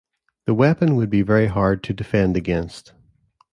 The weapon would be very hard to defend against.